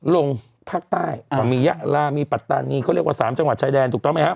ลงภาคใต้ก็มียะลามีปัตตานีเขาเรียกว่า๓จังหวัดชายแดนถูกต้องไหมครับ